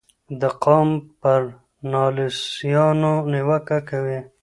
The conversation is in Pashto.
د قوم پر ناسیالانو نیوکه کوي